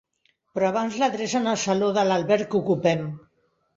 Però abans l'adrecen al saló de l'alberg que ocupem.